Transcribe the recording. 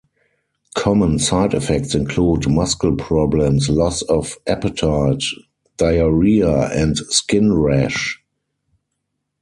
Common side effects include muscle problems, loss of appetite, diarrhea, and skin rash.